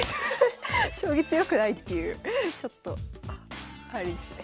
将棋強くないっていうちょっとあれですね。